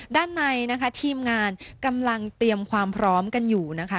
ด้านในนะคะทีมงานกำลังเตรียมความพร้อมกันอยู่นะคะ